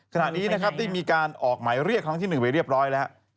ขณะนี้นะครับได้มีการออกหมายเรียกครั้งที่๑ไปเรียบร้อยแล้ว